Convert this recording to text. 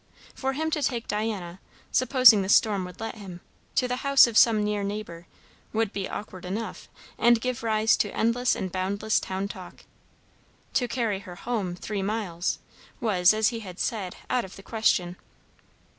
For him to take Diana, supposing the storm would let him, to the house of some near neighbour, would be awkward enough, and give rise to endless and boundless town talk. To carry her home, three miles, was, as he had said, out of the question.